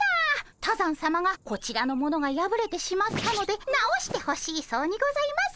多山さまがこちらのものがやぶれてしまったので直してほしいそうにございます。